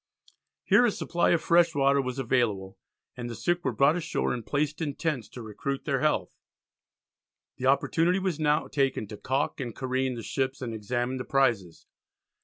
Here a supply of fresh water was available, and the sick were brought ashore and placed in tents to recruit their health. The opportunity was now taken to caulk and careen the ships and examine the prizes.